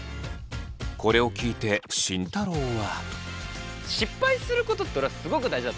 これを聞いて慎太郎は。